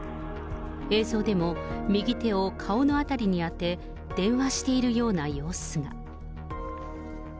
映像でも、右手を顔の辺りに当て、電話しているような様子が。